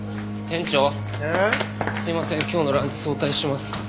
店長すいません今日のランチ早退します。